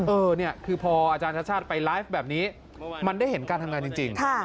เออเนี่ยคือพออาจารย์ชาติชาติไปไลฟ์แบบนี้มันได้เห็นการทำงานจริง